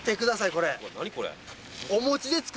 これ。